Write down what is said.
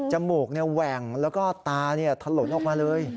จมูกเนี่ยแหว่งแล้วก็ตาถลดออกมาเลย